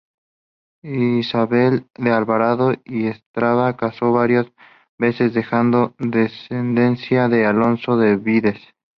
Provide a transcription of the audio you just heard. Isabel de Alvarado y Estrada caso varias veces dejando descendencia de Alonso de Vides.